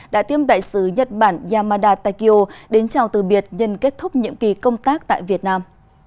đã tiêm đại sứ nhật bản yamada takio đến chào từ biệt nhân kết thúc nhiệm kỳ công tác tại việt nam